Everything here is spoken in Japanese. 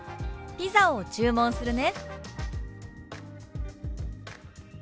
「ピザを注文するね」。